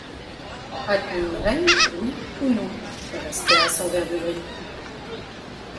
A-t-on une reine, oui ou non? respect à son vert-de-gris.